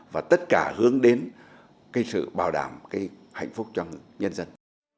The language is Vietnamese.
và tất cả hướng đến cái sự bảo đảm cái hạnh phúc cho nhân dân